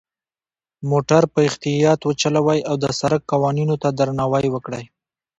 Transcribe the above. موټر په اختیاط وچلوئ، او د سرک قوانینو ته درناوی وکړئ.